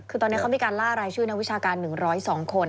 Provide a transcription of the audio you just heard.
คือตอนนี้เขามีการล่ารายชื่อนักวิชาการ๑๐๒คน